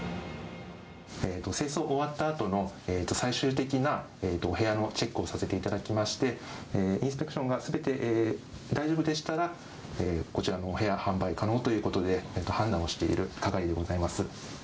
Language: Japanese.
清掃が終わったあとの最終的なお部屋のチェックをさせていただきまして、インスペクションがすべて大丈夫でしたら、こちらのお部屋、販売可能ということで、判断をしている係でございます。